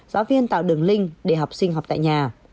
giáo viên tạo đường link để học sinh học tại nhà